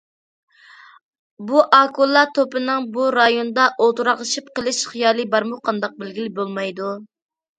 بۇ ئاكۇلا توپىنىڭ بۇ رايوندا ئولتۇراقلىشىپ قېلىش خىيالى بارمۇ قانداق بىلگىلى بولمايدۇ.